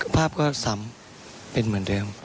ภาพก็ซ้ำเป็นเหมือนเดิม